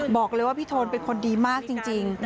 บอกเลยว่าพี่โทนเป็นคนดีมากจริง